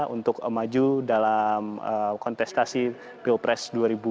untuk maju dalam kontestasi pilpres dua ribu sembilan belas